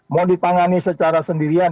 mau ditangani secara sendirian